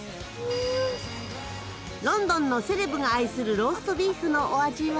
ロンドンのセレブが愛するローストビーフのお味は。